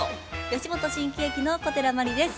吉本新喜劇の小寺真理です。